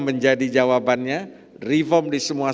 menjadi jawabannya reform di semua